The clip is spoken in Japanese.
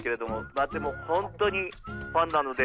まあでもホントにファンなので。